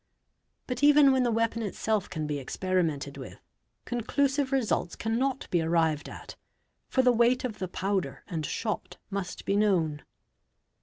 But even "when the weapon itself can be experimented with, conclusive results "¢annot be arrived at, for the weight of the powder and shot must be 628 BODILY INJURIES known.